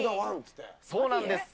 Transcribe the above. そうなんです。